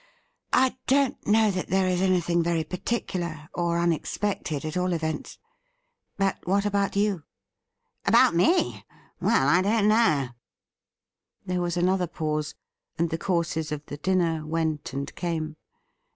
' I don't know that there is anything very particular, or unexpected, at all events. But what about you T ' About me ? Well, I don't know.' There was another pause, and the courses of the dinner went and came.